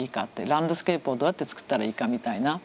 ランドスケープをどうやって作ったらいいかみたいな。